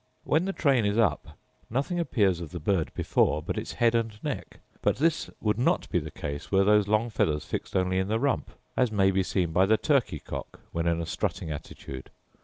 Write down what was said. When the train is up, nothing appears of the bird before but its head and neck, but this would not be the case were those long feathers fixed only in the rump, as may be seen by the turkey cock when in a strutting attitude.